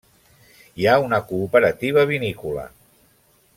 Hi ha una cooperativa vinícola.